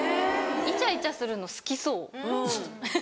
イチャイチャするの好きそう。